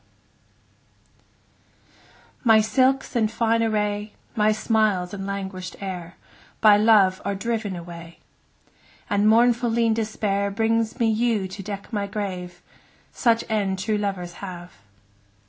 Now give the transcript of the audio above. Song MY silks and fine array, My smiles and languish'd air, By Love are driven away; And mournful lean Despair Brings me yew to deck my grave: 5 Such end true lovers have.